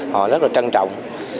họ rất là trân trọng